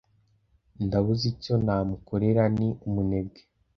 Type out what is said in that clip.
Ndabuze icyo namukorera. Ni umunebwe.